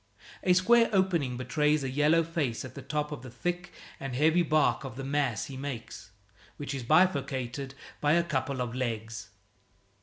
A square opening betrays a yellow face at the top of the thick and heavy bark of the mass he makes, which is bifurcated by a couple of legs.